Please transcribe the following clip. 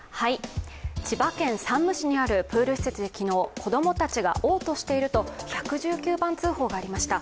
千葉県山武市にあるプール施設で昨日、子供たちがおう吐していると１１９番通報がありました。